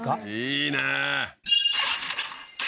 いいね